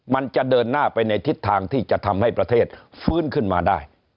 มันจะเดินหน้าไปในทิศทางที่จะทำให้ประเทศฟื้นขึ้นมาได้